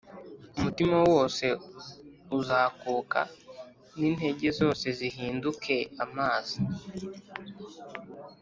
umutima wose uzakuka, n’intege zose zihinduke amazi